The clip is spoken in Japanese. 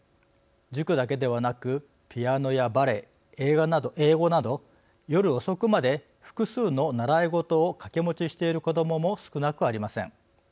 塾だけではなくピアノやバレエ、英語など夜遅くまで複数の習い事を掛け持ちしている子どもも少なくありません。